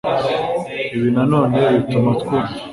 ibi na none bituma twumva